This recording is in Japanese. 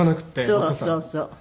そうそうそう。